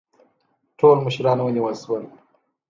ټول مشران ونیول شول.